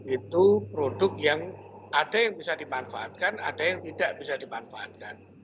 itu produk yang ada yang bisa dimanfaatkan ada yang tidak bisa dimanfaatkan